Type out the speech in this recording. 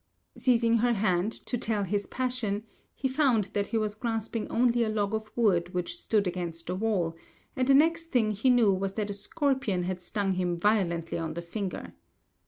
Seizing her hand, to tell his passion, he found that he was grasping only a log of wood which stood against the wall; and the next thing he knew was that a scorpion had stung him violently on the finger.